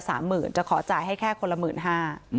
แต่ขอจ่ายให้แค่คนละ๑๕๐๐๐